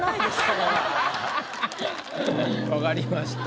分かりました。